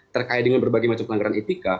terkait dengan berbagai macam pelanggaran etika